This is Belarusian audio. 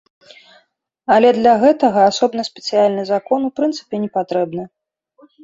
Але для гэтага асобны спецыяльны закон у прынцыпе не патрэбны.